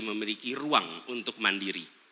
memiliki ruang untuk mandiri